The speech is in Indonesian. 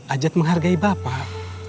ajat menghargai bapak